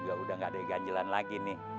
juga udah gak ada ganjelan lagi nih